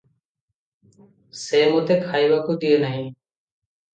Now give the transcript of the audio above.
ସେ ମୋତେ ଖାଇବାକୁ ଦିଏନାହିଁ ।